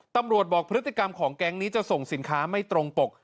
บอกพฤติกรรมของแก๊งนี้จะส่งสินค้าไม่ตรงปก